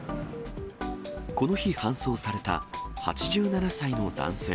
この日、搬送された８７歳の男性。